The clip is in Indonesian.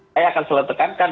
saya akan seletekankan